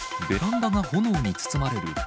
ベランダが炎に包まれる。